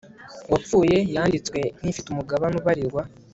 wapfuye yanditswe nk ifite umugabane ubarirwa